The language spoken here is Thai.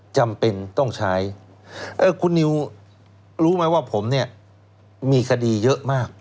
จำเป็นต้องใช้คุณนิวรู้ไหมว่าผมเนี่ยมีคดีเยอะมาก